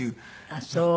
あっそう。